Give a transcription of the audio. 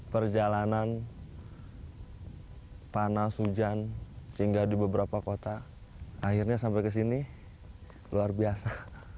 perjalanan panas hujan sehingga di beberapa kota akhirnya sampai ke sini luar biasa